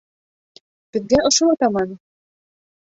Беҙгә ошо ла таман.